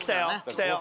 来たよ。